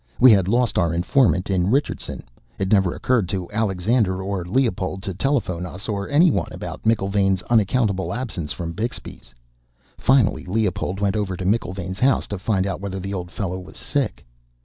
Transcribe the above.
We had lost our informant in Richardson; it never occurred to Alexander or Leopold to telephone us or anyone about McIlvaine's unaccountable absence from Bixby's. Finally, Leopold went over to McIlvaine's house to find out whether the old fellow was sick.